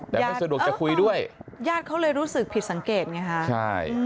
แต่ไม่สะดวกจะคุยด้วยญาติเขาเลยรู้สึกผิดสังเกตไงฮะใช่